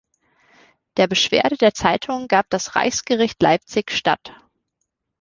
Der Beschwerde der Zeitung gab das Reichsgericht Leipzig statt.